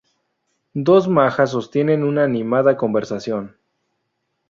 Dos majas sostienen una animada conversación.